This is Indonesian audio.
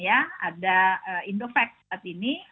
ada indovax saat ini